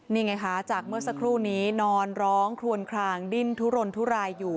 นี่ไงคะจากเมื่อสักครู่นี้นอนร้องคลวนคลางดิ้นทุรนทุรายอยู่